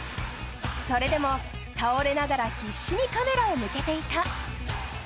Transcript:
それでも倒れながら必死にカメラを向けていた。